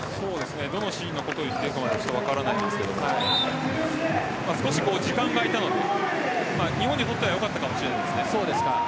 どのシーンのことを言っているかまでは分からないんですが少し時間が空いたので日本にとってはよかったかもしれないですね。